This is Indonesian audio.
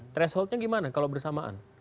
thresholdnya gimana kalau bersamaan